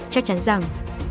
chắc chắn rằng